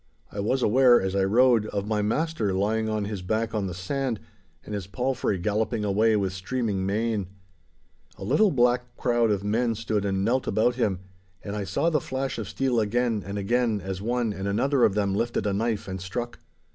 I was aware, as I rode, of my master lying on his back on the sand, and his palfrey galloping away with streaming mane. A little black crowd of men stood and knelt about him, and I saw the flash of steel again and again as one and another of them lifted a knife and struck.